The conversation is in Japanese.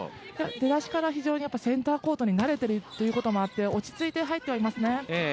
出だしから非常にセンターコートに慣れているということもあって落ち着いて入っていますね。